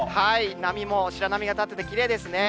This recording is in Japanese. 波も、白波が立ってて、きれいですね。